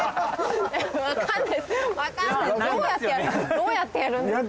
どうやってやるんですか？